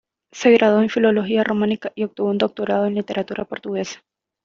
Se graduó en Filología románica y obtuvo un doctorado en Literatura portuguesa.